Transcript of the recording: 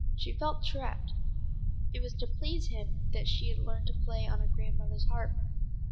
She felt trapped. It was to please him that she had learned to play on her grandmother's harp.